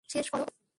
শেষ কর ওকে।